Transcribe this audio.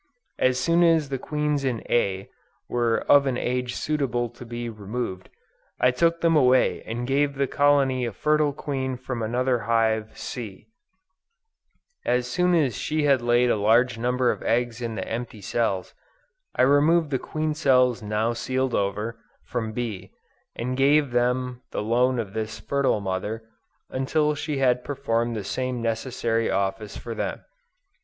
As soon as the queens in A, were of an age suitable to be removed, I took them away and gave the colony a fertile queen from another hive, C; as soon as she had laid a large number of eggs in the empty cells, I removed the queen cells now sealed over, from B, and gave them the loan of this fertile mother, until she had performed the same necessary office for them.